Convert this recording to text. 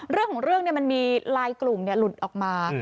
เรื่องของเรื่องมันมีลายกลุ่มหลุดออกมา